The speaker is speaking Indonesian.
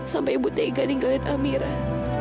sampai ibu tega ninggalin amira